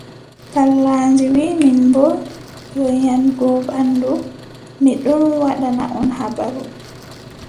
Pallandi wii, min boo, to nyaaɗgo ɓanndu, mi ɗon waddana on habaru.